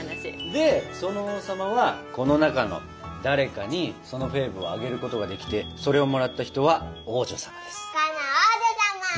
で王様はこの中の誰かにそのフェーブをあげることができてそれをもらった人は王女様です！カナ王女様！